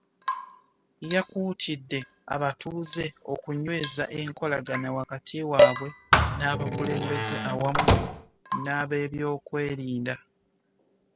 Yakuutidde abatuuze okunyweza enkolagana wakati waabwe n'abakulembeze awamu n'ab'ebyokwerinda.